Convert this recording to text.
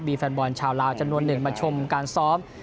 มีแฟนบอลชาวลาวจำนวนหนึ่งมาชมการซ้อม